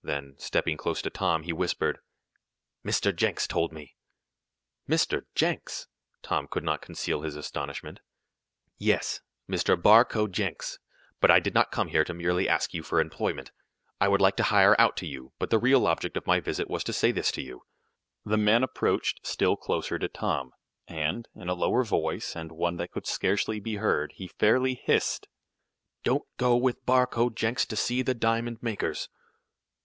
Then, stepping close to Tom, he whispered: "Mr. Jenks told me!" "Mr. Jenks?" Tom could not conceal his astonishment. "Yes. Mr. Barcoe Jenks. But I did not come here to merely ask you for employment. I would like to hire out to you, but the real object of my visit was to say this to you." The man approached still closer to Tom, and, in a lower voice, and one that could scarcely be heard, he fairly hissed: "Don't go with Barcoe Jenks to seek the diamond makers!"